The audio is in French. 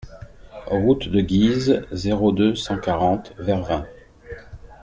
Route de Guise, zéro deux, cent quarante Vervins